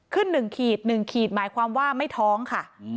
ขึ้นหนึ่งขีดหนึ่งขีดหมายความว่าไม่ท้องค่ะ